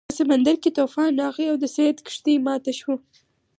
په سمندر کې طوفان راغی او د سید کښتۍ ماته شوه.